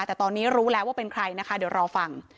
แต่ตอนนี้รู้แล้วว่าเป็นใครนะคะเดี๋ยวรอฟัง